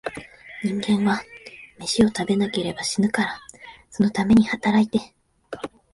人間は、めしを食べなければ死ぬから、そのために働いて、